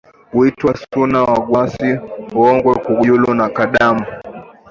huitwa Suna Wagwasi Ungoe Kajulu na Kadem